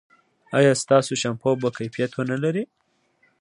ایا ستاسو شامپو به کیفیت و نه لري؟